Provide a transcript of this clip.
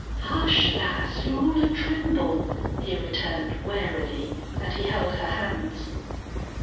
"Hush, lass! You're all a tremble," he returned, warily, and he held her hands.